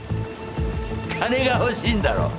金が欲しいんだろ？